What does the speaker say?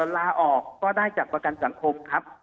ลาออกก็ได้จากประกันสังคมครับ